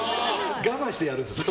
我慢してやるんです。